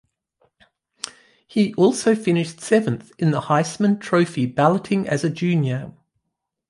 He also finished seventh in the Heisman Trophy balloting as a junior.